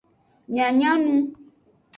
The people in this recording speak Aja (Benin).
Mia nya nu.